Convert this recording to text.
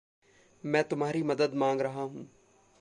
मैं तुम्हारी मदद माँग रहा हूँ।